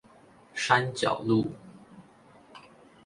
山腳路